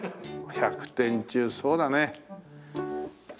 １００点中そうだね。